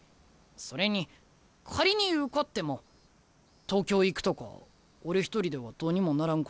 それに仮に受かっても東京行くとか俺一人ではどうにもならんことやし。